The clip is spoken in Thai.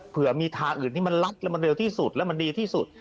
เผื่อมีทางอื่นที่มันลัดแล้วมันเร็วที่สุดแล้วมันดีที่สุด